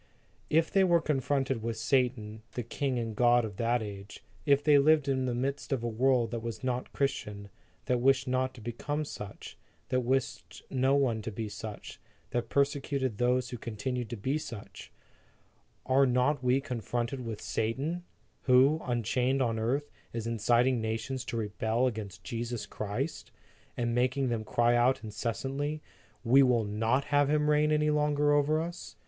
If they were confronted with Satan, the king and god of that age ; if they lived in the midst of a world that was not Christian, that wished not to become such, that wished no one to be such, that persecuted those who continued to be such; are not we confronted with Satan, who, unchained on the earth, is inciting nations to rebel against Jesus Christ, and making them cry out incessantly :" We will not have Him reign any longer over us"?